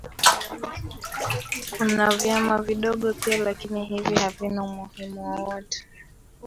Kuna vyama vidogo pia lakini hivi havina umuhimu wowote